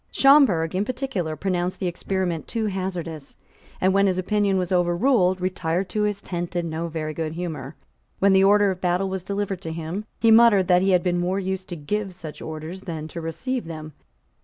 Schomberg, in particular, pronounced the experiment too hazardous, and, when his opinion was overruled, retired to his tent in no very good humour. When the order of battle was delivered to him, he muttered that he had been more used to give such orders than to receive them.